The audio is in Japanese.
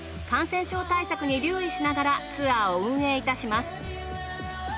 感染症対策に留意しながらツアーを運営いたします。